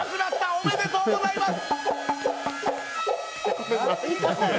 おめでとうございます。